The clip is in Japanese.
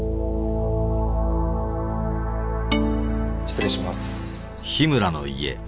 失礼します。